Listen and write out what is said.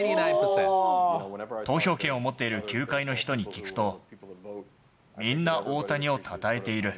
投票権を持っている球界の人に聞くと、みんな大谷をたたえている。